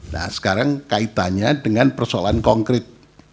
nah sekarang kaitannya dengan persoalan konkret